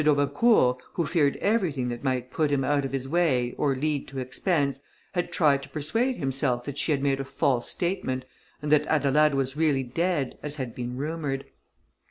d'Aubecourt, who feared everything that might put him out of his way, or lead to expense, had tried to persuade himself that she had made a false statement, and that Adelaide was really dead, as had been rumoured.